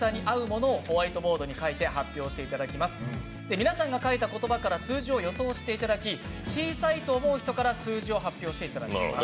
皆さんの書いた言葉から数字を予想していただき小さいと思う人から数字を発表していただきます。